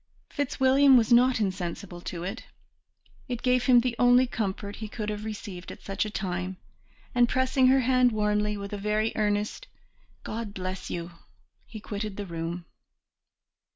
Fitzwilliam was not insensible to it. It gave him the only comfort he could have received at such a time; and pressing her hand warmly, with a very earnest "God bless you!" he quitted the room.